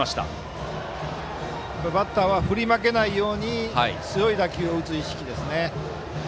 バッターは振り負けないように強い打球を打つ意識ですね。